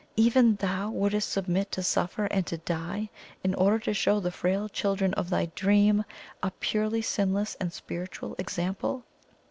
Even THOU wouldst submit to suffer and to die, in order to show the frail children of thy dream a purely sinless and spiritual example!